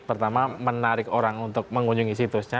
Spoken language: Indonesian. pertama menarik orang untuk mengunjungi situsnya